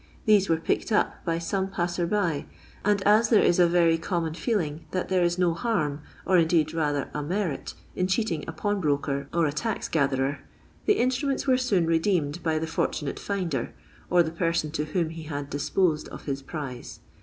These were picked up by some passer by — and as there is a very common feeling that there is no harm, or indeed rather a merit, in cheating a pawnbroker or a tax gatherer — the instruments were soon redeemed by the fortu nate finder, or the person to whom he had disposed of his prise.